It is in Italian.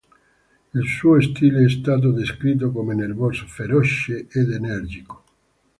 Il suo stile è stato descritto come nervoso, feroce ed energico.